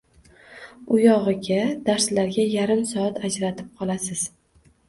Uyog‘iga darslarga yarim soat ajratib qolasiz